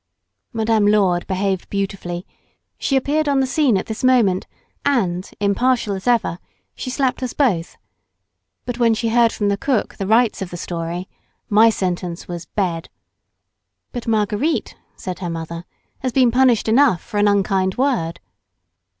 Madame Lourdes behaved beautifully; she appeared on the scene at this moment, and, impartial as ever, she slapped us both, but when she heard from the cools the rights of the story, my sentence was "bed." "But Marguerite," said her mother, "has been punished enough for an unkind word."